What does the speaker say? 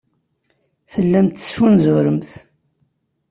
Tellamt tettfunzuremt.